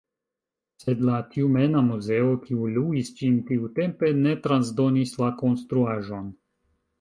Sed la Tjumena muzeo, kiu luis ĝin tiutempe, ne transdonis la konstruaĵon.